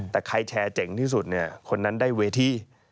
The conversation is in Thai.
แต่ใครแชร์เจ๋งที่สุดเนี่ยคนนั้นได้เวที